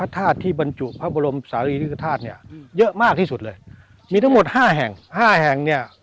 ที่กระทาดเนี่ยเยอะมากที่สุดเลยมีทั้งหมดห้าแห่งห้าแห่งเนี่ย